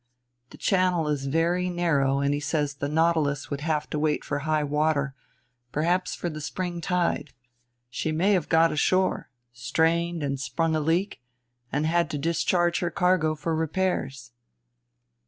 The channel is very narrow, and he says the Nautilus would have to wait for high water, perhaps for the spring tide. She may have got ashore, strained and sprung a leak, and had to discharge her cargo for repairs."